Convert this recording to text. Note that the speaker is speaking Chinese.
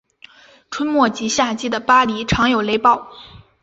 春末及夏季的巴里常有雷暴。